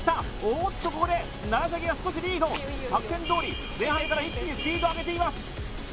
おっとここで楢が少しリード作戦どおり前半から一気にスピードを上げています